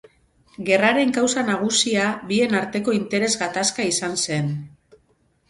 Gerraren kausa nagusia bien arteko interes gatazka izan zen.